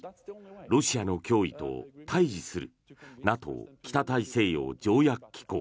ロシアの脅威と対峙するＮＡＴＯ・北大西洋条約機構。